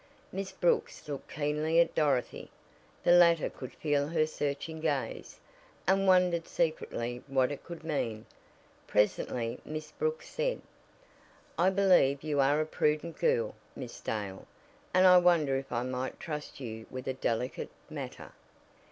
Miss Brooks looked keenly at Dorothy. The latter could feel her searching gaze, and wondered secretly what it could mean. Presently Miss Brooks said: "I believe you are a prudent girl, Miss Dale, and I wonder if I might trust you with a delicate matter?"